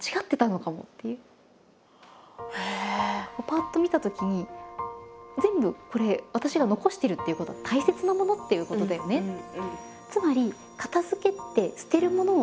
パッと見たときに全部これ私が残してるということは大切なものっていうことだよねって。